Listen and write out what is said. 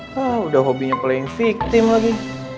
hah udah hobinya paling victim lagi